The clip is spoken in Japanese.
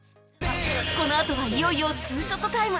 このあとはいよいよ２ショットタイム